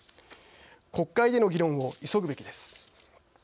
国会での議論を急ぐべきです。